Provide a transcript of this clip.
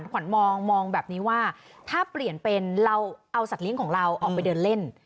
ขวัญมองแบบนี้ว่าถ้าเปลี่ยนเป็นเราเอาสัตว์เลี้ยงของเราออกไปเดินเล่น